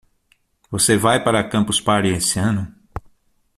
Você vai para a Campus Party esse ano?